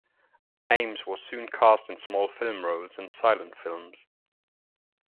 Ames was soon cast in small film roles in silent films.